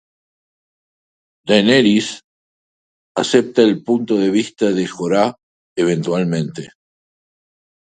Daenerys acepta el punto de vista de Jorah, eventualmente.